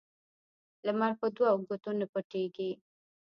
لمر په دوو ګوتو نه پټېږي